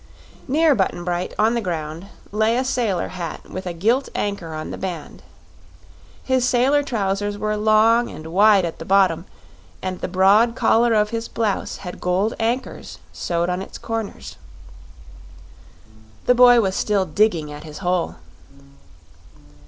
Near Button Bright, on the ground, lay a sailor hat with a gilt anchor on the band. His sailor trousers were long and wide at the bottom, and the broad collar of his blouse had gold anchors sewed on its corners. The boy was still digging at his hole.